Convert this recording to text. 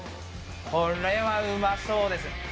これはうまそうですね。